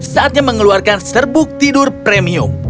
saatnya mengeluarkan serbuk tidur premium